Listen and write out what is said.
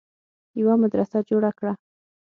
يوه مدرسه جوړه کړه